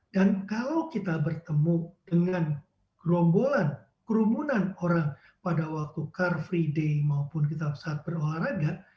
dan kalau kita bertemu dengan kerombolan kerumunan orang pada waktu car free day maupun kita saat berolahraga